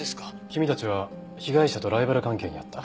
君たちは被害者とライバル関係にあった。